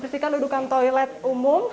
bersihkan dudukkan toilet umum